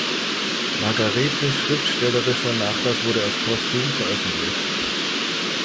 Margarethes schriftstellerischer Nachlass wurde erst postum veröffentlicht.